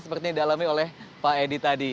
seperti yang dialami oleh pak edi tadi